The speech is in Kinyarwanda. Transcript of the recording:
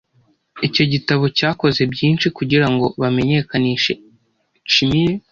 Icyo gitabo cyakoze byinshi kugirango bamenyekanishe chimie.